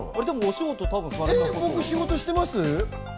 僕、仕事してます？